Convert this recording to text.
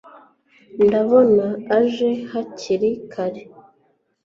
ndabona aje hakiri kare